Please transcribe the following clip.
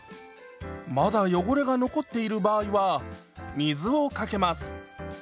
まだ汚れが残っている場合は水をかけます。